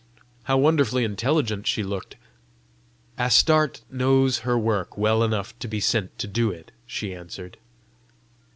"How wonderfully intelligent she looked!" "Astarte knows her work well enough to be sent to do it," she answered.